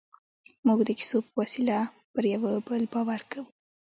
موږ د کیسو په وسیله پر یوه بل باور کوو.